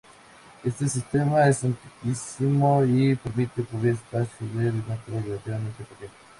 Este sistema es antiquísimo, y permite cubrir espacios de diámetro relativamente pequeño.